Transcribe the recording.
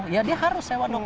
ya dia harus sewa dong